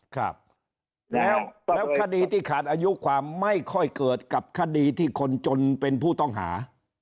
ครับแล้วคดีที่ขาดอายุความไม่ค่อยเกิดกับคดีที่คนจนเป็นผู้ต้องหา